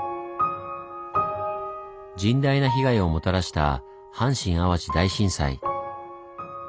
甚大な被害をもたらした阪神・淡路大震災。